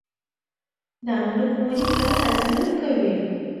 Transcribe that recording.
د املوک ونې کله حاصل ورکوي؟